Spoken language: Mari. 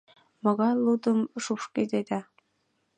Могай лудым шупшкедеда?